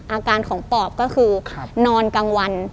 อาการของปอบก็คือนอนกลางวัน